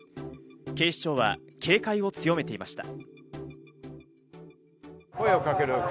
警視庁は警戒を強めていました。